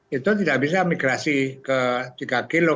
itu tidak bisa migrasi ke tiga kilo